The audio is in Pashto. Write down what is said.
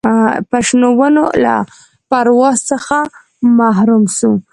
پر شنو ونو له پرواز څخه محروم سو